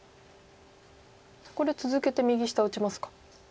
これ続けて右下打ちますか？